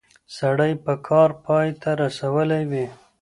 سړی به کار پای ته رسولی وي.